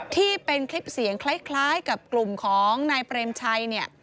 ที่เป็นคลิปเสียงคล้ายกับกลุ่มของนายเปรมชัยเนี่ย